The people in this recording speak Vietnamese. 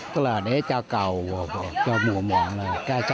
tức là để cho cầu cho mùa màng này